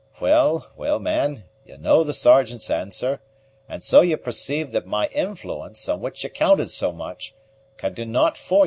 Well, well, man, ye know the Sergeant's answer; and so ye perceive that my influence, on which ye counted so much, can do nought for ye.